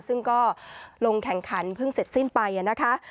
ซึ่งก็ลงแข่งขันเพิ่งเสร็จสิ้นไปนะคะ